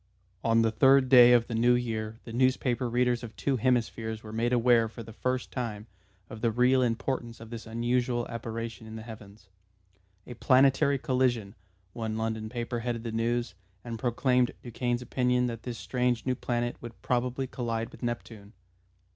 On the third day of the new year the newspaper readers of two hemispheres were made aware for the first time of the real importance of this unusual apparition in the heavens. "A Planetary Collision," one London paper headed the news, and proclaimed Duchaine's opinion that this strange new planet would probably collide with Neptune.